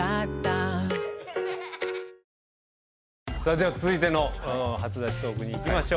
では続いての初出しトークに行きましょう。